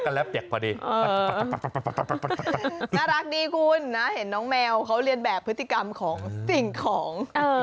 น่ารักดีคุณแฮเห็นน้องแมวเขาเรียนแบบพฤติกรรมของสิ่งของ